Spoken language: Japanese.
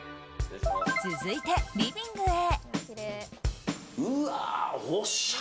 続いてリビングへ。